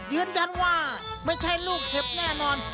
ยืนยันว่าไม่ใช่ลูกเห็บแน่นอน